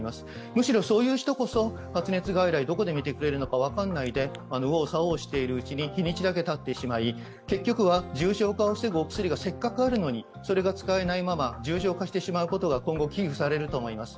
むしろ、そういう人こそ、発熱外来、どこで診てもらえるか分からないうちに右往左往しているうちに日にちだけたってしまい、結局は重症化を防ぐお薬がせっかくあるのにそれが使えないまま重症化してしまうことが今後、危惧されると思います。